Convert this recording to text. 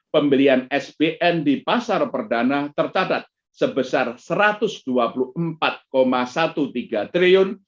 pembelian sbn di pasar perdana tercatat sebesar rp satu ratus dua puluh empat tiga belas triliun